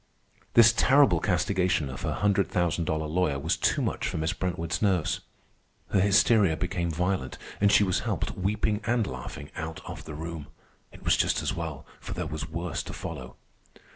This terrible castigation of her hundred thousand dollar lawyer was too much for Miss Brentwood's nerves. Her hysteria became violent, and she was helped, weeping and laughing, out of the room. It was just as well, for there was worse to follow.